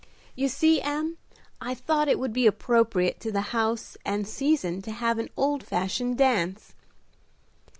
"You see, Em, I thought it would be appropriate to the house and season to have an old fashioned dance.